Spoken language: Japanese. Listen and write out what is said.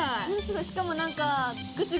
しかも何か。